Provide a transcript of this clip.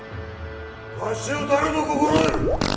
わしを誰と心得る！